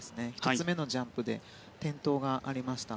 １つ目のジャンプ転倒がありました。